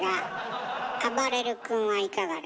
あばれる君はいかがですか？